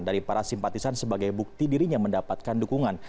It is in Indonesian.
dari para simpatisan sebagai bukti dirinya mendapatkan dukungan